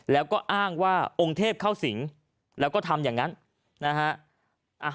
แล้วก็อ้างว่าองค์เทพเข้าสิงแล้วก็ทำอย่างนั้นนะฮะ